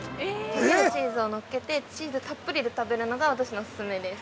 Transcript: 溶けるチーズをのっけてチーズたっぷりで食べるのが私のオススメです。